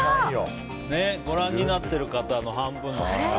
ご覧になっている方の半分。